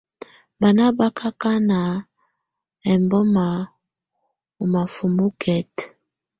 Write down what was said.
Báná bá ákáná ɛlbɔ́má ɔ́ máfɔ́má ɔ́kɛta.